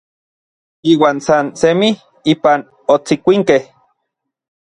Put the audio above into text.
Iuan san semij ipan otsikuinkej.